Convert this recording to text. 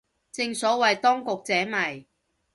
正所謂當局者迷